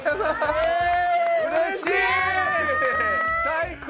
最高！